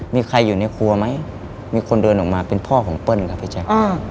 มีใครอยู่ในครัวไหมมีคนเดินออกมาเป็นพ่อของเปิ้ลครับพี่แจ๊ค